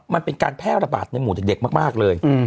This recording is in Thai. มันเป็นการแพร่ระบาดในหมู่เด็กมากเลย